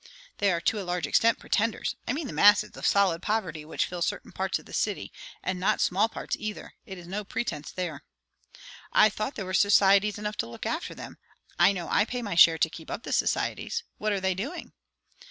"They are to a large extent pretenders. I mean the masses of solid poverty which fill certain parts of the city and not small parts either. It is no pretence there." "I thought there were societies enough to look after them. I know I pay my share to keep up the societies. What are they doing?"